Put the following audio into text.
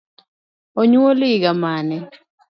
Onyuole higa mane?